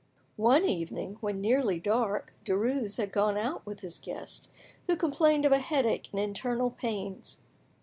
One evening, when nearly dark, Derues had gone out with his guest, who complained of headache and internal pains.